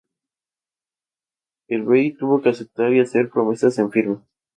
El bey tuvo que aceptar y hacer promesas en firme.